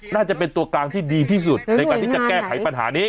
น่าจะเป็นตัวกลางที่ดีที่สุดในการที่จะแก้ไขปัญหานี้